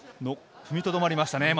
踏みとどまりましたね。